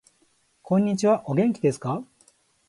こんにちはお元気ですか